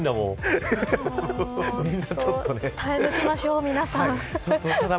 耐え抜きましょう、皆さん。